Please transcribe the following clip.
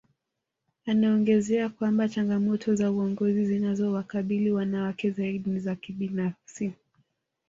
Anaongezea kwamba changamoto za uongozi zinazowakabili wanawake zaidi ni za kibinafsi